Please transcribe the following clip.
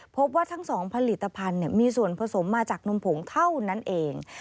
พบว่าทั้งสองผลิตภัณฑ์มีส่วนผสมมาจากนมผงเท่านั้นเอง